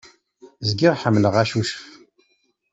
Zgiɣ ḥemmleɣ acucef.